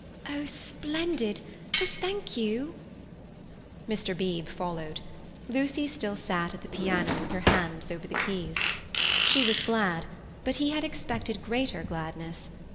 "Oh, splendid! Oh, thank you!" Mr. Beebe followed. Lucy still sat at the piano with her hands over the keys. She was glad, but he had expected greater gladness.